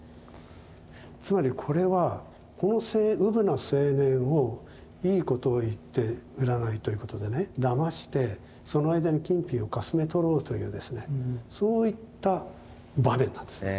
つまりこれはこのうぶな青年をいいことを言って占いということでねだましてその間に金品をかすめ取ろうというですねそういった場面なんです。